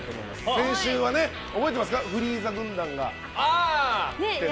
先週は覚えていますか、フリーザ軍団が来て。